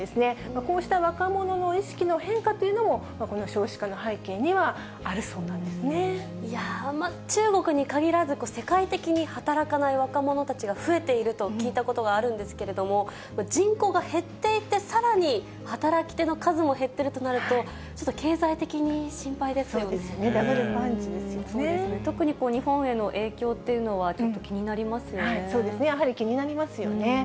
こうした若者の意識の変化というのも、この少子化の背景にはあるいやー、中国に限らず、世界的に働かない若者たちが増えていると聞いたことはあるんですけれども、人口が減っていて、さらに働き手の数も減ってるとなると、ちょっと経済的に心配ですそうですよね、特に日本への影響っていうのやはり気になりますよね。